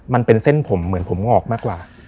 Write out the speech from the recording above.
มันเป็นเส้นผมเหมือนผมงอกมากกว่า